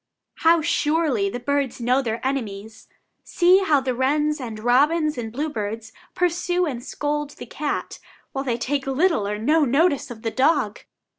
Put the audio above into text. How surely the birds know their enemies! See how the wrens and robins and bluebirds pursue and scold the cat, while they take little or no notice of the dog!